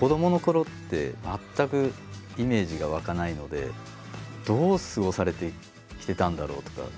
子どものころって全くイメージが湧かないのでどう過ごされてきてたんだろうとか。